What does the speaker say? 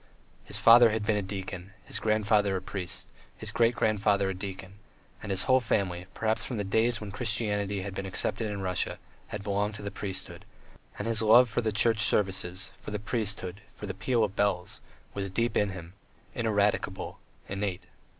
His father had been a deacon, his grandfather a priest, his great grandfather a deacon, and his whole family, perhaps from the days when Christianity had been accepted in Russia, had belonged to the priesthood; and his love for the Church services, for the priesthood, for the peal of the bells, was deep in him, ineradicable, innate.